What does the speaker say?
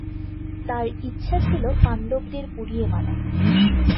তার ইচ্ছা ছিল পাণ্ডবদের পুড়িয়ে মারা।